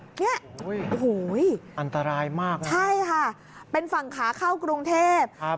นี่โอ้โหโอ้โหอันตรายมากนะครับใช่ค่ะเป็นฝั่งขาเข้ากรุงเทพฯ